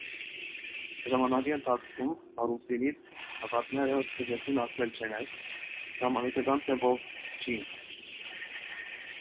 Ժամանակի ընթացքում պարուսինից տաբատները սկսեցին ասել «ջենես», կամ ամերիկական ձևով՝ «ջինս»։